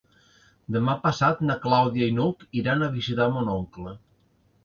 Demà passat na Clàudia i n'Hug iran a visitar mon oncle.